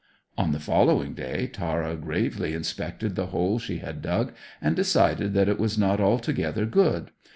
On the following day Tara gravely inspected the hole she had dug, and decided that it was not altogether good.